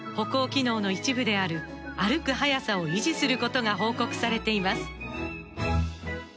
歩行機能の一部である歩く速さを維持することが報告されています